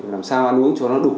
làm sao ăn uống cho nó đủ